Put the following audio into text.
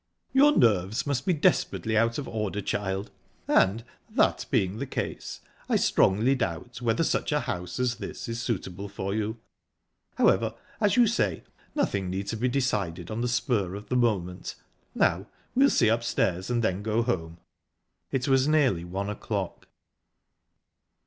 "Your nerves must be desperately out of order, child, and, that being the case, I strongly doubt whether such a house as this is suitable for you. However, as you say, nothing need be decided on the spur of the moment...now we'll see upstairs, and then go home." It was nearly one o'clock.